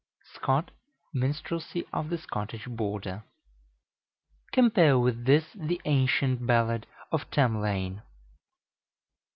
(Scott, "Minstrelsy of the Scottish Border.") Compare with this the ancient ballad of Tamlane.